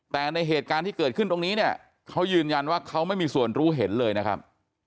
แต่ในเหตุการณ์ที่เกิดขึ้นตรงนี้เนี่ยเขายืนยันว่าเขาไม่มีส่วนรู้เห็นเลยนะครับ